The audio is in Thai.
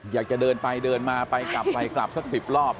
อยากจะเดินไปเดินมาไปกลับไปกลับสัก๑๐รอบ